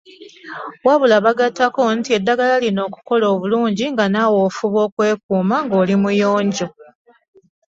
Wabula bagattako nti eddagala lino okukola obulungi nga naawe ofuba okwekuuma ng’oli muyonjo.